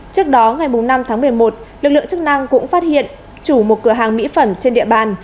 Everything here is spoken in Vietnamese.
trước đó ngày năm tháng một mươi một lực lượng chức năng cũng phát hiện chủ một cửa hàng mỹ phẩm trên địa bàn